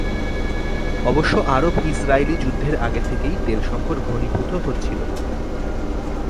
অবশ্য আরব-ইসরায়েলী যুদ্ধের আগে থেকেই তেল সংকট ঘনীভূত হচ্ছিলো।